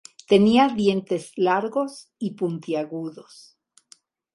Tenía dientes largos y puntiagudos.